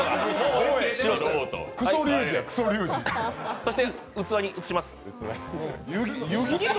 そして、器に移します。